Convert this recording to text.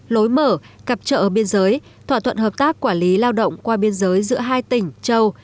lối mở cặp trợ biên giới thỏa thuận hợp tác quản lý lao động qua biên giới giữa hai tỉnh châu